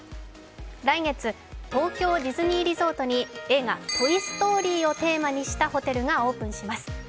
来月東京ディズニーリゾートに映画「トイ・ストーリー」をテーマにしたホテルがオープンします。